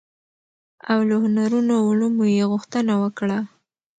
او له هنرونو او علومو يې غوښتنه وکړه،